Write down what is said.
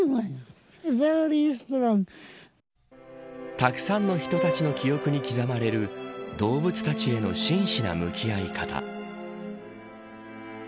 たくさんの人たちの記憶に刻まれる動物たちへの真摯な向き合い方。